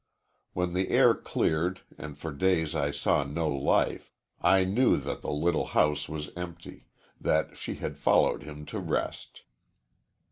When the air cleared and for days I saw no life, I knew that the little house was empty that she had followed him to rest.